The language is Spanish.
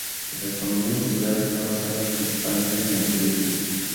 La economía insular está basada principalmente en el turismo.